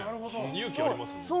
勇気ありますね。